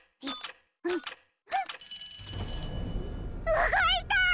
うごいた！